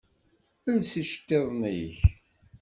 Els iceṭṭiḍen-ik!